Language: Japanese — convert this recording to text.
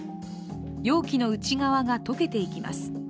容器の内側が溶けていきます。